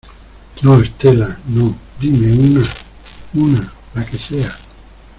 no, Estela , no. dime una , una , la que sea .